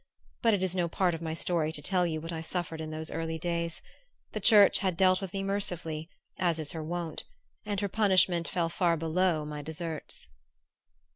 But it is no part of my story to tell you what I suffered in those early days. The Church had dealt with me mercifully, as is her wont, and her punishment fell far below my deserts....